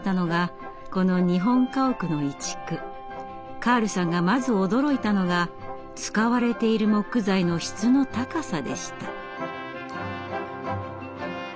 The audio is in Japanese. カールさんがまず驚いたのが使われている木材の質の高さでした。